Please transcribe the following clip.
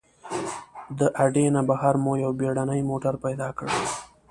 د اډې نه بهر مو یو بېړنی موټر پیدا کړ.